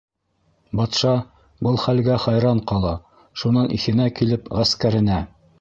Батша был хәлгә хайран ҡала, шунан иҫенә килеп, ғәскәренә: